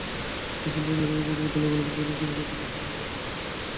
ডিসেম্বরের মাঝামাঝিতেও বিদ্যালয়গুলোতে বিভিন্ন শ্রেণীর বিভিন্ন বিষয়ের অনেক পরীক্ষা বাকি ছিল।